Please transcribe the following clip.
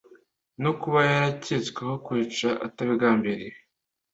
no kuba yaraketsweho kwica atabigambiriye